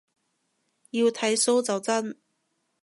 要剃鬚就真